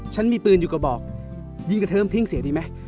มีปืนอยู่กระบอกยิงกระเทิมทิ้งเสียดีไหม